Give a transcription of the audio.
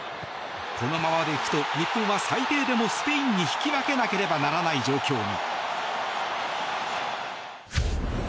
このままでいくと日本は最低でもスペインに引き分けなければならない状況に。